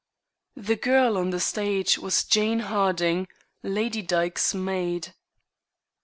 The girl on the stage was Jane Harding, Lady Dyke's maid.